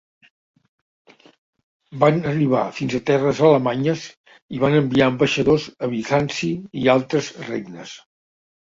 Van arribar fins a terres alemanyes i van enviar ambaixadors a Bizanci i altres regnes.